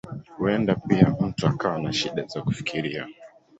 Huenda pia mtu akawa na shida za kufikiria.